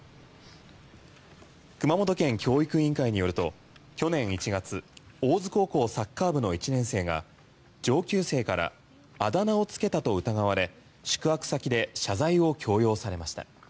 熊本県教育委員会によると去年１月大津高校サッカー部の１年生が上級生からあだ名をつけたと疑われ宿泊先で謝罪を強要されました。